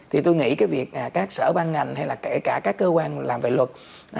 thì tôi nghĩ cái việc các sở ban ngành hay là kể cả các cơ quan làm về luật